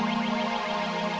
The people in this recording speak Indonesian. sampai jumpa lagi